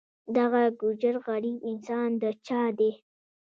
دغه ګوجر غریب انسان د چا دی.